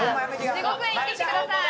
地獄へ行ってきてください